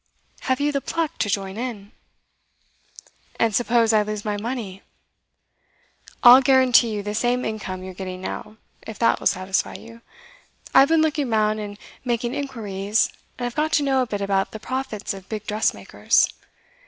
Have you the pluck to join in?' 'And suppose I lose my money?' 'I'll guarantee you the same income you're getting now if that will satisfy you. I've been looking round, and making inquiries, and I've got to know a bit about the profits of big dressmakers.